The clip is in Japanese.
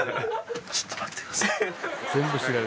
ちょっと待ってください。なあ？